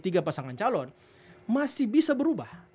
tiga pasangan calon masih bisa berubah